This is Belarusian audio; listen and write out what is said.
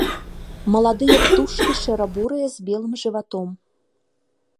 Маладыя птушкі шэра-бурыя з белым жыватом.